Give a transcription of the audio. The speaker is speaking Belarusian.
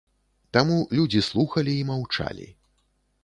Таму людзі слухалі і маўчалі.